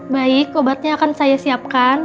baik obatnya akan saya siapkan